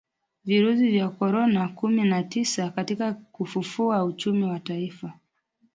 virusi vya korona kumi na tisa katika kufufua uchumi wa taifa